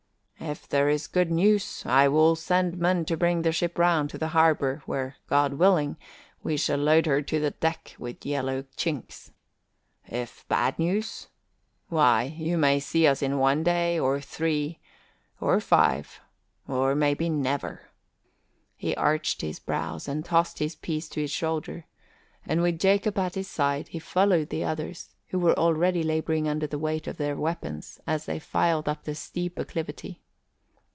"If there is good news, I will send men to bring the ship round to the harbour where, God willing, we shall load her to the deck with yellow chinks. If bad news, why, you may see us in one day, or three, or five, or maybe never." He arched his brows and tossed his piece to his shoulder, and with Jacob at his side, he followed the others, who were already labouring under the weight of their weapons as they filed up the steep acclivity.